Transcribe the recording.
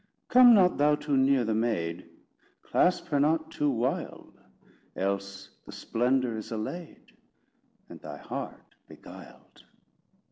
Come not thou too near the maid, Clasp her not too wild; Else the splendour is allayed, And thy heart beguiled.